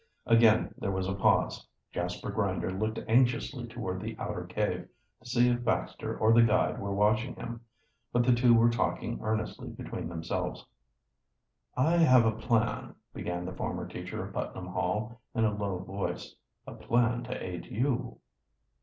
Again there was a pause. Jasper Grinder looked anxiously toward the outer cave, to see if Baxter or the guide were watching him. But the two were talking earnestly between themselves. "I have a plan," began the former teacher of Putnam Hall, in a low voice, "a plan to aid you."